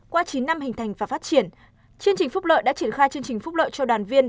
qua chín năm hình thành và phát triển chương trình phúc lợi đã triển khai chương trình phúc lợi cho đoàn viên